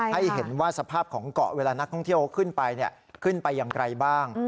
ให้เห็นว่าสภาพของเกาะเวลานักท่องเที่ยวขึ้นไปขึ้นไปอย่างไรบ้าง